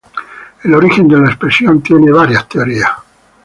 El origen de la expresión tiene varias teorías.